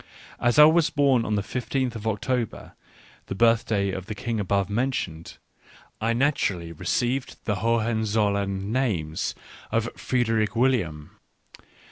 As I was born on the 1 5 th of October, the birthday of the king above mentioned, I naturally received the Hohenzollern names of Frederick William.